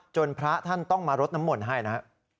จนพระท่านต้องมารดน้ำหม่นให้นะ